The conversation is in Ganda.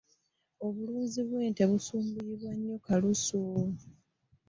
Abalunzi b'ente basumbuyizibwa nnyo kalusu.